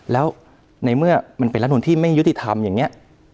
แล้วในเมื่อมันเป็นรัฐมนุนที่ไม่ยุติธรรมอย่างนี้